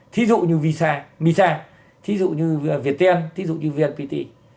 thí dụ như misa thí dụ như viettel thí dụ như vnpt